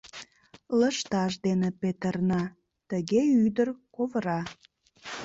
Лышташ дене петырна, Тыге ӱдыр-ковыра